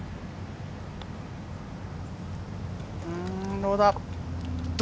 どうだ？